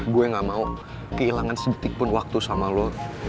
gue gak mau kehilangan sedetik pun waktu sama lo